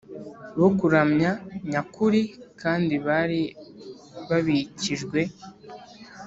bo kuramya nyakuri kandi bari babikijwe